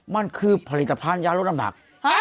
มันคือผลิตภัณฑ์ยาลดลำบาก